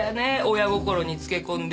親心につけ込んで。